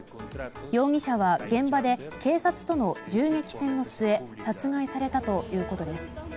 容疑者は現場で警察との銃撃戦の末殺害されたということです。